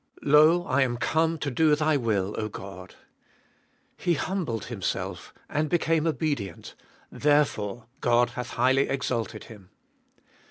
Lo, I am come to do Thy will, 0 God. " He humbled Him self, and became obedient — therefore God hath highly exalted Him."